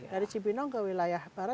dari cibinong ke wilayah barat